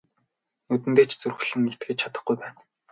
Нүдэндээ ч зүрхлэн итгэж чадахгүй байна.